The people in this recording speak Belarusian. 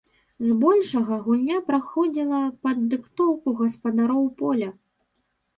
Збольшага гульня праходзіла пад дыктоўку гаспадароў поля.